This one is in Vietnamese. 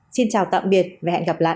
xin chào tạm biệt và hẹn gặp lại